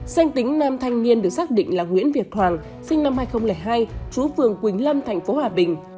danh tính nam thanh niên được xác định là nguyễn việt hoàng sinh năm hai nghìn hai trú phường quỳnh lâm thành phố hòa bình